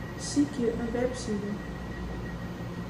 Sykje in webside.